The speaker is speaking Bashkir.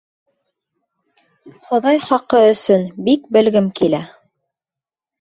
— Хоҙай хаҡы өсөн, бик белгем килә!